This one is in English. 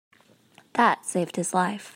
That saved his life.